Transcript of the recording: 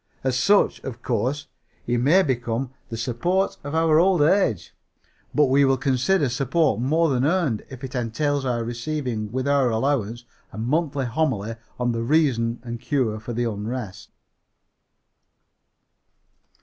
As such, of course, he may become the support of our old age, but we shall consider support more than earned if it entails our receiving with our allowance a monthly homily on the reason and cure for unrest.